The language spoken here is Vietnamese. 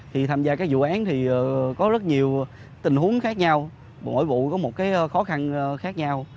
thì tham gia các vụ án thì có rất nhiều tình huống khác nhau mỗi vụ có một khó khăn khác nhau